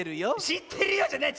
「しってるよ」じゃない！